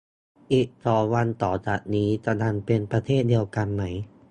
อีกสองวันต่อจากนี้จะยังเป็นประเทศเดียวกันไหม